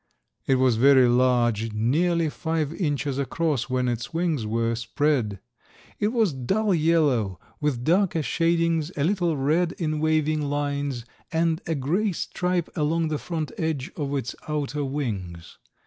It was very large, nearly five inches across when its wings were spread. It was dull yellow, with darker shadings, a little red in waving lines, and a gray stripe along the front edge of its outer wings.